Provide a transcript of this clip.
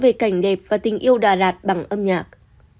về cảnh đẹp và tình yêu đà lạt bằng âm nhạc